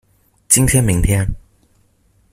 今天明天